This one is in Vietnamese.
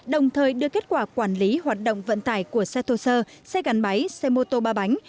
đồng thời đưa kết quả quản lý hoạt động vận tải của xe thô sơ xe gắn máy xe mô tô ba bánh